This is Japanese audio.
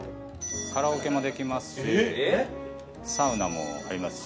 カラオケもできますしサウナもありますし。